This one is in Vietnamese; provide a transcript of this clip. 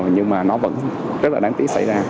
nhưng mà nó vẫn rất là đáng tiếc xảy ra